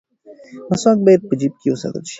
مسواک باید په جیب کې وساتل شي.